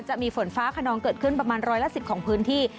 จะมีฝนฟ้าขนองเกิดขึ้นประมาณร้อยละ๑๐ของพื้นที่